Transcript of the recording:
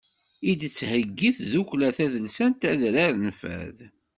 I d-tettheyyi tdukkla tadelsant adrar n fad.